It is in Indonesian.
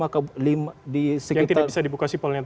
yang tidak bisa dibuka sipolnya